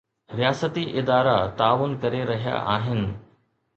رياستي ادارا تعاون ڪري رهيا آهن.